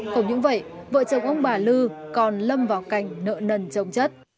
không những vậy vợ chồng ông bà lư còn lâm vào cạnh nợ nần trông chất